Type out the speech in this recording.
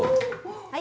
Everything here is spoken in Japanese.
はい。